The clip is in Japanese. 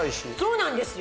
そうなんですよ。